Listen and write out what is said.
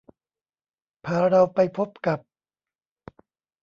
พาเราไปพบกับ